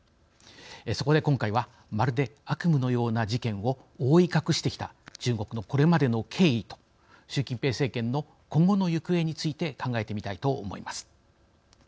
そこで今回はまるで悪夢のような事件を覆い隠してきた中国のこれまでの経緯と習近平政権の今後の行方について考えてみたいと思います。